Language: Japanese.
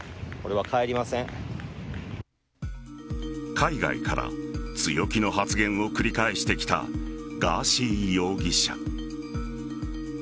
海外から強気の発言を繰り返してきたガーシー容疑者。